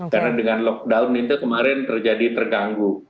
karena dengan lockdown itu kemarin terjadi terganggu